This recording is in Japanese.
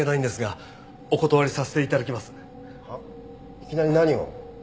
いきなり何を。